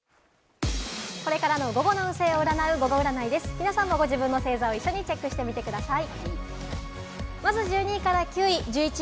皆さんもご自分の星座を一緒にチェックしてみてください。